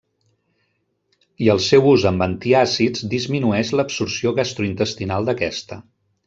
I el seu ús amb antiàcids disminueix l'absorció gastrointestinal d'aquesta.